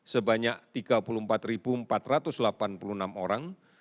sebanyak tiga puluh empat empat ratus delapan puluh enam orang